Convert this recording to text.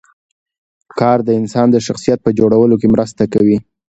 کار د انسان د شخصیت په جوړولو کې مرسته کوي